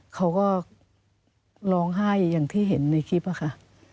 เขาก็ร้องไห้อย่างที่เห็นในคลิปค่ะ